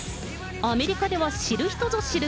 アメリカでは知る人ぞ知る